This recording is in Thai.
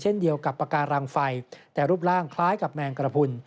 เช่นเดียวกับปากการังไฟแต่รูปร่างคล้ายกับแมงกระพุน